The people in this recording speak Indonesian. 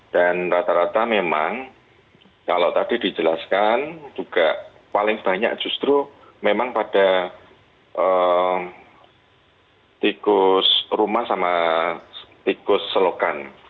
dan rata rata memang kalau tadi dijelaskan juga paling banyak justru memang pada tikus rumah sama tikus selokan